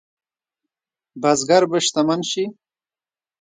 بزګر به شتمن شي؟